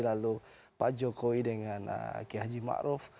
lalu pak jokowi dengan kia haji ma'ruf